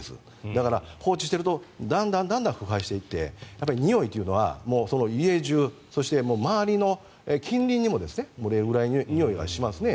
だから放置しているとだんだん腐敗していってにおいというのは家中、そして周りの近隣にも漏れるぐらいのにおいがしますね。